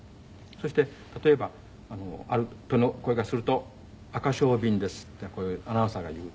そして例えばある鳥の声がすると「アカショウビンです」ってアナウンサーが言う。